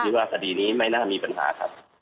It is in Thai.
ว่าคดีนี้ไม่น่ามีปัญหาครับ